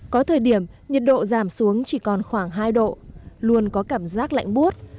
có thời điểm nhiệt độ giảm xuống chỉ còn khoảng hai độ luôn có cảm giác lạnh bút